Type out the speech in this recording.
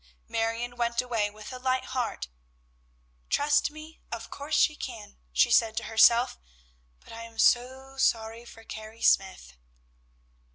Marion went away with a light heart. "Trust me? of course she can," she said to herself; "but I am so sorry for Carrie Smyth."